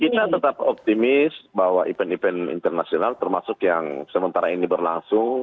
kita tetap optimis bahwa event event internasional termasuk yang sementara ini berlangsung